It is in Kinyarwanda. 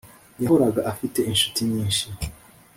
yahoraga afite inshuti nyinshi.